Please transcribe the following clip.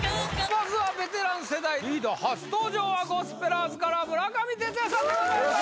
まずはベテラン世代リーダー初登場はゴスペラーズから村上てつやさんでございます